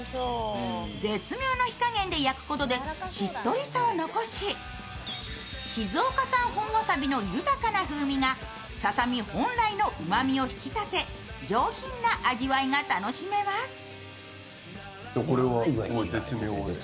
絶妙な火加減で焼くことでしっとりさを残し、静岡産本わさびの豊かな風味がささ身本来のうまみを引き立て上品な味わいが楽しめます。